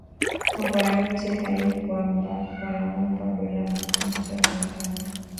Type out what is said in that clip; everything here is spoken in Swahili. Makwaya yote aikuimba wanaombwa dola makumi tatu na tano